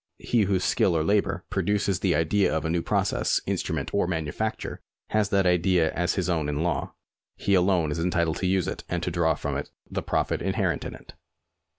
He whose skill or labour produces the idea of a 'new process, instrument, or manufacture, has that idea as his own in law. He alone is entitled to use it and to draw from it the profit inherent in it.